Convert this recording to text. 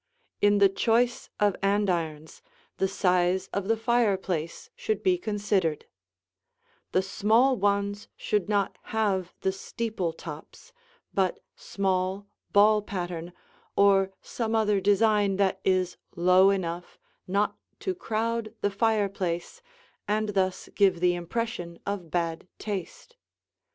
In the choice of andirons, the size of the fireplace should be considered; the small ones should not have the steeple tops but small, ball pattern or some other design that is low enough not to crowd the fireplace and thus give the impression of bad taste.